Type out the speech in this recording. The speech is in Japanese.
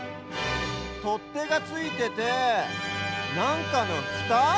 とってがついててなんかのふた？